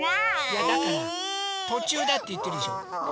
いやだからとちゅうだっていってるじゃん。